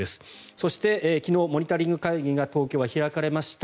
そして昨日モニタリング会議が東京は開かれました。